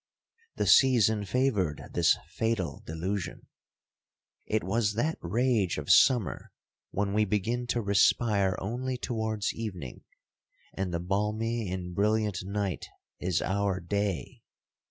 'The season favoured this fatal delusion. It was that rage of summer when we begin to respire only towards evening, and the balmy and brilliant night is our day.